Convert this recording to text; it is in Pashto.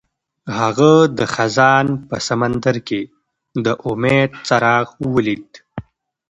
هغه د خزان په سمندر کې د امید څراغ ولید.